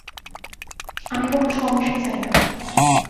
আমি কোনো সমস্যা চাই না।